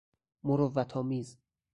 مروت آمیز